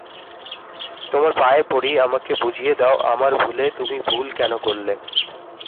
তোমার পায়ে পড়ি আমাকে বুঝিয়ে দাও আমার ভুলে তুমি ভুল কেন করলে?